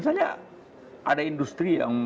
saja ada industri yang